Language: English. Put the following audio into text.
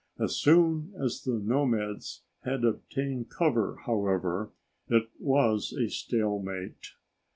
As soon as the nomads had obtained cover however, it was a stalemate.